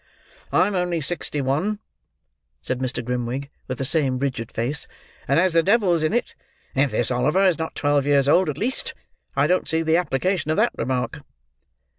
"I'm only sixty one," said Mr. Grimwig, with the same rigid face. "And, as the devil's in it if this Oliver is not twelve years old at least, I don't see the application of that remark."